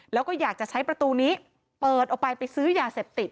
แล้วก็อยากจะใช้ประตูนี้เปิดออกไปไปซื้อยาเสพติด